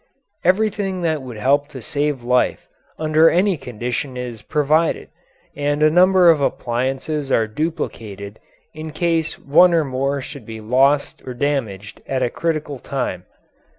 Everything that would help to save life under any condition is provided, and a number of appliances are duplicated in case one or more should be lost or damaged at a critical time.